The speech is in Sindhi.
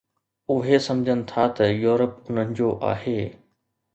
اهي سمجهن ٿا ته يورپ انهن جو آهي